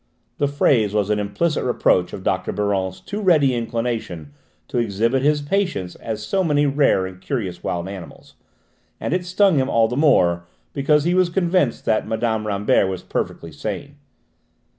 The phrase was an implicit reproach of Dr. Biron's too ready inclination to exhibit his patients as so many rare and curious wild animals, and it stung him all the more because he was convinced that Mme. Rambert was perfectly sane.